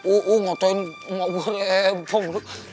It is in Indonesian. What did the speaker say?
oh ngatain emak gua rempong